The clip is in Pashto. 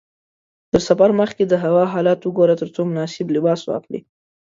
تر سفر مخکې د هوا حالت وګوره ترڅو مناسب لباس واخلې.